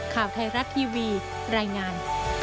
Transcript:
ข่าวไทยรัฐทีวีรายงาน